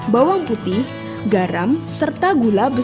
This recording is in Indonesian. bawang putih garam serta gula besar